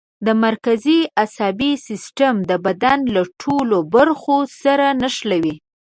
دا مرکزي عصبي سیستم د بدن له ټولو برخو سره نښلوي.